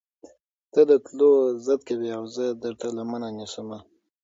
تۀ د تلو ضد کوې اؤ زۀ درته لمنه نيسم